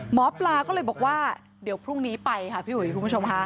หมอปลาก็เลยบอกว่าเดี๋ยวพรุ่งนี้ไปค่ะพี่อุ๋ยคุณผู้ชมค่ะ